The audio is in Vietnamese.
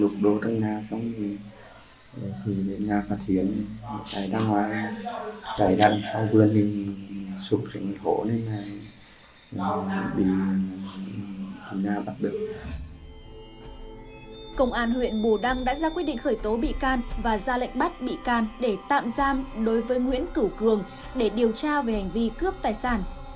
công an huyện bù đăng đã ra quyết định khởi tố bị can và ra lệnh bắt bị can để tạm giam đối với nguyễn cửu cường để điều tra về hành vi cướp tài sản